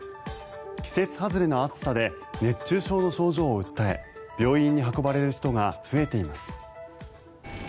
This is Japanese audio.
季節外れの暑さで熱中症の症状を訴え病院に運ばれる人が増えています。